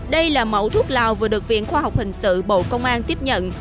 đây là mẫu thuốc lào vừa được viện khoa học hình sự bộ công an tiếp nhận